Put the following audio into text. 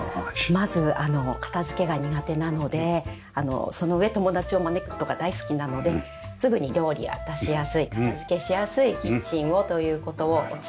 まず片付けが苦手なのでその上友達を招く事が大好きなのですぐに料理が出しやすい片付けしやすいキッチンをという事をお伝えしました。